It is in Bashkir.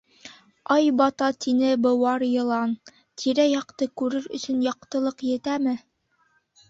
— Ай бата, — тине быуар йылан, — тирә-яҡты күрер өсөн яҡтылыҡ етәме?